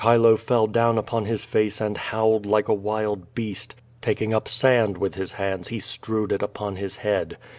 Chilo fell down upon his face and howled like a wild beast. Taking up sand with his hands he strewed it upon his head.